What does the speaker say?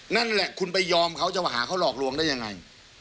นั่นแหละคุณไปยอมเขาจะมาหาเขาหลอกลวงได้ยังไง